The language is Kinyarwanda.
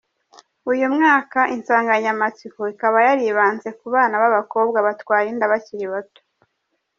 Uyu mwaka insanganyamatsiko ikaba yaribanze ku bana b’abakobwa batwara inda bakiri bato.